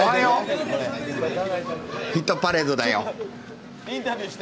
「ヒットパレード」だよ。